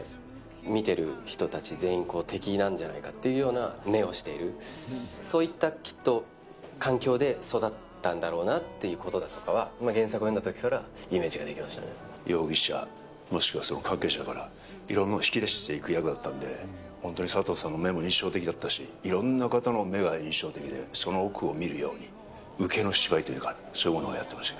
見てる人たち全員、敵なんじゃないかっていうような目をしている、そういったきっと環境で育ったんだろうなっていうことは、原作を読んだときからイメージが容疑者、もしくはその関係者から、いろんなものを引き出していく役だったので、本当に佐藤さんの目も印象的だったし、いろんな方の目が印象的で、その奥を見るように、受けの芝居というか、そういうのをやってました。